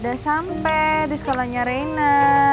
udah sampai di sekolahnya reina